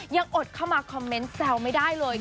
อดเข้ามาคอมเมนต์แซวไม่ได้เลย